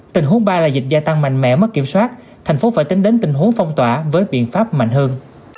tình huống ba là dịch gia tăng mạnh mẽ mất kiểm soát thành phố phải tính đến tình huống phong tỏa với biện pháp mạnh hơn